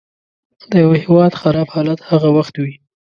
د یوه هیواد خراب حالت هغه وخت وي.